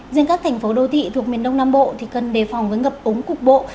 riêng các thành phố đô thị thuộc miền đông nam bộ thì cần đề phòng với ngập ống cục bộ